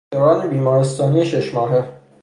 دوران بیمارستانی شش ماهه